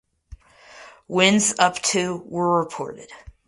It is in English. Winds up to were reported.